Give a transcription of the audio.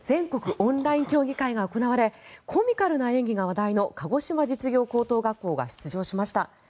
オンライン競技会が行われコミカルな演技が話題の鹿児島実業高等学校が出場しました。